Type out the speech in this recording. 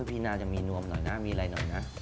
พี่น่าจะมีนวมหน่อยนะมีอะไรหน่อยนะ